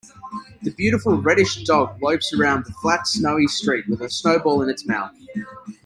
The beautiful reddish dog lopes around the flat snowy street with a snowball in its mouth.